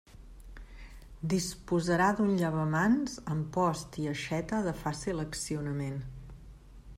Disposarà d'un llavamans amb post i aixeta de fàcil accionament.